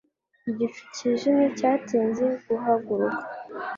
Igicu cyijimye cyatinze guhaguruka